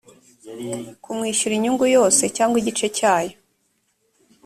kumwishyura inyungu yose cyangwa igice cyayo